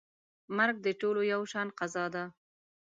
مرګ د ټولو یو شان قضا ده.